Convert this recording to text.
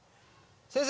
先生。